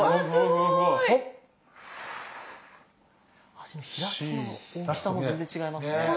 脚の開きの大きさも全然違いますね。